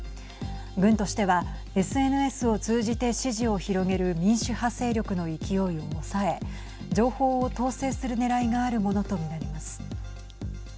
軍としてはＳＮＳを通じて支持を広げる民主派勢力の勢いを抑え情報を統制するねらいがあるものと見られます。